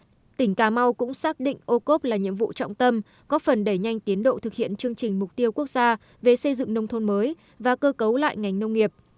tuy nhiên tỉnh cà mau cũng xác định ô cốp là nhiệm vụ trọng tâm góp phần đẩy nhanh tiến độ thực hiện chương trình mục tiêu quốc gia về xây dựng nông thôn mới và cơ cấu lại ngành nông nghiệp